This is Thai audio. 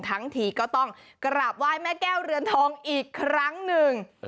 ทั้งทีก็ต้องกราบไหว้แม่แก้วเรือนทองอีกครั้งหนึ่ง